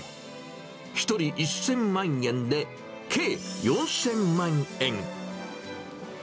１人１０００万円で、計４０００万円。